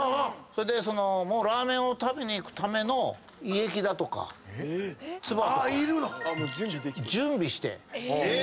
それでラーメンを食べに行くための胃液だとか唾とか準備して。